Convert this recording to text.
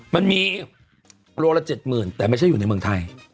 มันมีโลละเจ็ดหมื่นแต่ไม่ใช่อยู่ในเมืองไทย